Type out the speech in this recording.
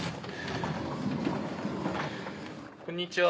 こんにちは。